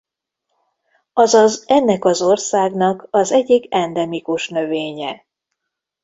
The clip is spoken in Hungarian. Azaz ennek az országnak az egyik endemikus növénye.